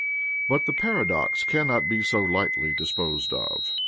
'" But the paradox cannot be so lightly disposed of.